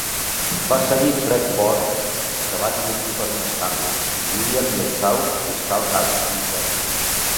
Va seguir Fred Borch, que va dimitir per un escàndol, i William Lietzau, fiscal cap en interí.